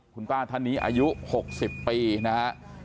คุณป้าทันนี้อายุ๖๐ปีนะครับ